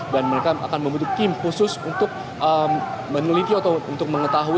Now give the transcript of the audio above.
dan mereka akan membentuk tim khusus untuk meneliti atau mengetahui